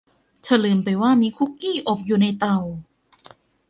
เธอลืมไปว่ามีคุกกี้อบอยู่ในเตา